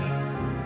si adik gue